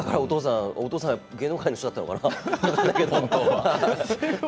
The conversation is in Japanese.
お父さん芸能界の人だったかな。